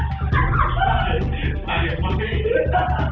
สวัสดีครับวันนี้เราจะกลับมาเมื่อไหร่